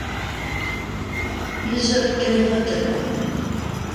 И жьэр ткӀэригъэкӀыркъым.